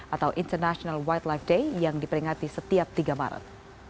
atau international wildlife day yang diperingati setiap tiga maret